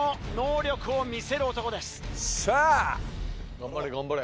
頑張れ頑張れ。